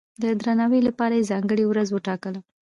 د درناوي لپاره یې ځانګړې ورځ وټاکله.